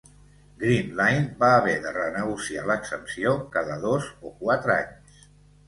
Greene Line va haver de renegociar l'exempció cada dos o quatre anys.